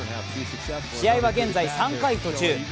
試合は現在３回途中。